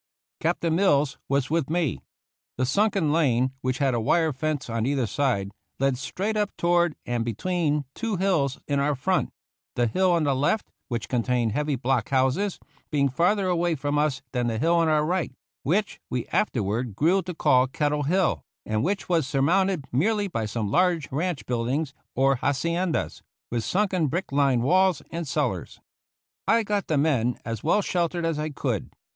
Captain Mills was with me. The sunken lane, which had a wire fence on either side, led straight THE CAVALRY AT SANTIAGO up toward, and between, the two hills in our front, the hill on the left, which contained heavy block houses, being farther away from us than the hill on our right, which we afterward grew to call Kettle Hill, and which was surmounted merely by some large ranch buildings or haciendas, with sunken brick lined walls and cellars. I got the men as well sheltered as I could.